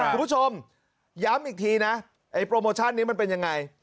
คุณผู้ชมย้ำอีกทีนะไอ้โปรโมชั่นนี้มันเป็นยังไง